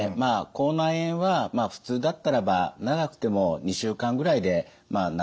口内炎はふつうだったらば長くても２週間ぐらいで治ると思います。